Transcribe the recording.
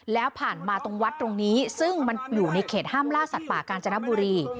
แล้วผ่านมาตรงวัดตรงนี้ซึ่งมันอยู่ในเขตห้ามล่าสัตว์ป่ากาญจนบุรี